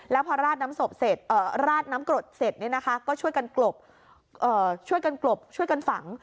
แล้วพอราดน้ำกรดเสร็จเนี่ยนะคะก็ช่วยกันกลบช่วยกันฝัง